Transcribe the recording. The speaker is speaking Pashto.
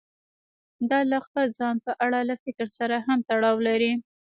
دا له خپل ځان په اړه له فکر سره هم تړاو لري.